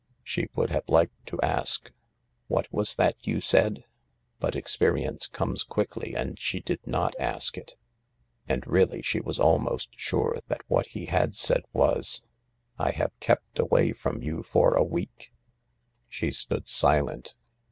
She would have liked to ask, " What was that you said ?" but experience comes quickly and she did not ask it. And really she was almost sure that what he had said was, " I have kept away from you for a week." She stood silent.